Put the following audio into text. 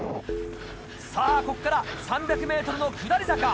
さぁここから３００ｍの下り坂。